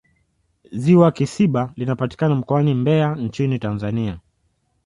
ziwa kisiba linapatikana mkoani mbeya nchini tanzania